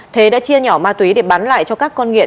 thế đã chia nhỏ ma túy để bán lại cho các con nghiện